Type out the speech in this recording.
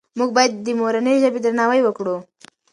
موږ باید د مورنۍ ژبې درناوی وکړو.